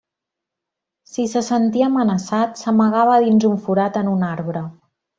Si se sentia amenaçat, s'amagava dins un forat en un arbre.